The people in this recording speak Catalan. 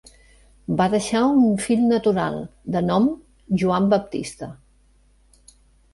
Va deixar un fill natural de nom Joan Baptista.